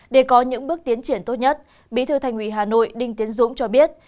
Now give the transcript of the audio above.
để có những bước tiến triển tốt nhất bí thư thành ủy hà nội đinh tiến dũng cho biết